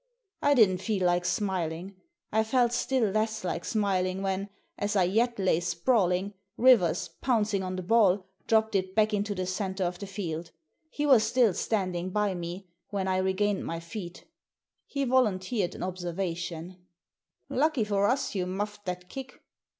I didn't feel like smiling. I felt still less like smiling when, as I yet lay sprawling, Rivers, pounc ing on the ball, dropped it back into the centre of the field He was still standing by me when I re gained my feet He volunteered an observatioa *• Lucky for us you muffed that kick."